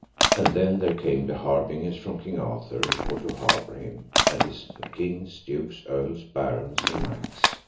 And then there came the harbingers from King Arthur for to harbour him, and his kings, dukes, earls, barons, and knights.